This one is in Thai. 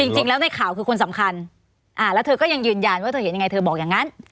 จริงแล้วในข่าวคือคนสำคัญแล้วเธอก็ยังยืนยันว่าเธอเห็นยังไงเธอบอกอย่างนั้น